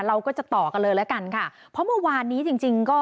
เราก็จะต่อกันเลยและกันค่ะพอเมื่อวานนี้จริง